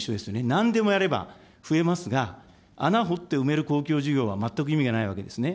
なんでもやれば、増えますが、穴掘って埋める公共事業は全く意味がないわけですね。